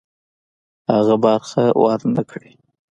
هغه برخه ورنه کړي.